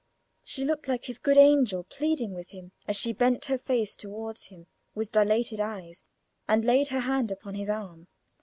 She looked like his good angel pleading with him, as she bent her face towards him with dilated eyes, and laid her hand upon his arm.